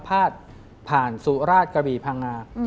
พาดผ่านสุราชกระบีพังงา